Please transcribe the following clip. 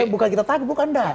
bukan kita taguh bukan dah